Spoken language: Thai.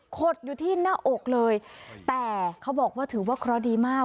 ขดอยู่ที่หน้าอกเลยแต่เขาบอกว่าถือว่าเคราะห์ดีมาก